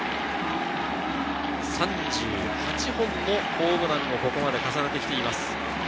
３８本のホームランをここまで重ねてきています。